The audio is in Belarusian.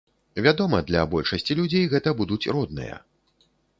Вядома, для большасці людзей гэта будуць родныя.